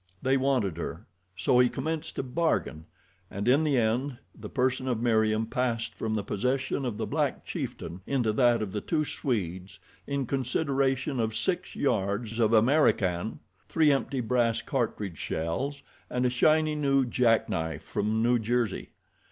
They wanted her. So he commenced to bargain, and in the end the person of Meriem passed from the possession of the black chieftain into that of the two Swedes in consideration of six yards of Amerikan, three empty brass cartridge shells and a shiny, new jack knife from New Jersey.